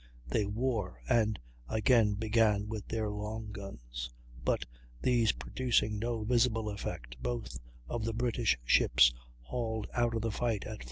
They wore, and again began with their long guns; but, these producing no visible effect, both of the British ships hauled out of the fight at 4.